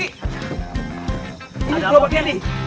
ini grobeknya nih